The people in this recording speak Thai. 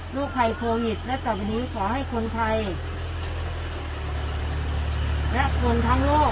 ภัยโควิดและต่อไปนี้ขอให้คนไทยและคนทั้งโลก